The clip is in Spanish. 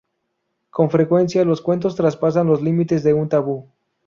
Con frecuencia, los cuentos traspasan los límites de un tabú.